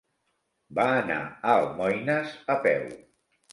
Va anar a Almoines a peu.